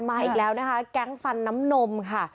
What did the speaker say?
อีกแล้วนะคะแก๊งฟันน้ำนมค่ะ